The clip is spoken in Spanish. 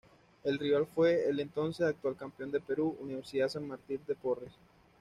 El rival fue el entonces actual campeón de Perú, Universidad San Martín de Porres.